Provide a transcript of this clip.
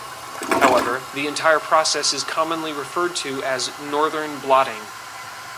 However, the entire process is commonly referred to as northern blotting.